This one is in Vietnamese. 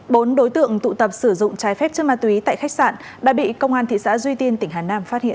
bốn đối tượng tụ tập sử dụng trái phép chất ma túy tại khách sạn đã bị công an thị xã duy tiên tỉnh hà nam phát hiện